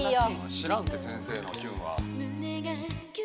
知らんて先生の「キュン」は。